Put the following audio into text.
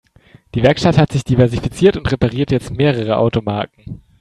Die Werkstatt hat sich diversifiziert und repariert jetzt mehrere Automarken.